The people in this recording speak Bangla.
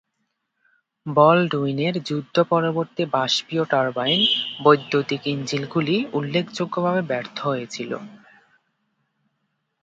বলড়ুইনের যুদ্ধ পরবর্তী বাষ্পীয় টারবাইন-বৈদ্যুতিক ইঞ্জিনগুলি উল্লেখযোগ্যভাবে ব্যর্থ হয়েছিল।